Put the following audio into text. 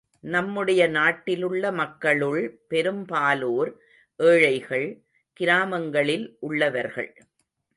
நம்முடைய நாட்டிலுள்ள மக்களுள் பெரும் பாலோர் ஏழைகள், கிராமங்களில் உள்ளவர்கள்.